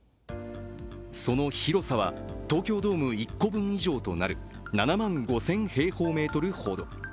その広さは東京ドーム１個分以上となる７万５０００平方メートルほど。